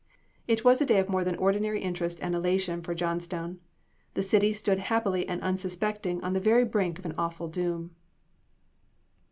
It was a day of more than ordinary interest and elation for Johnstown. The city stood happy and unsuspecting on the very brink of an awful doom.